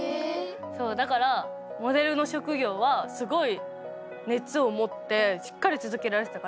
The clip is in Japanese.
そうだからモデルの職業はすごい熱を持ってしっかり続けられてたから。